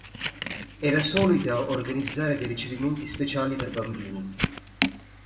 Era solita organizzare dei ricevimenti speciali per bambini.